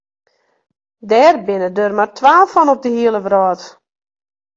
Dêr binne der mar twa fan op de hiele wrâld.